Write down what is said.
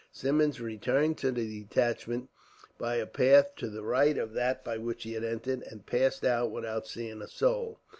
Symmonds returned to the detachment, by a path to the right of that by which he had entered, and passed out without seeing a soul.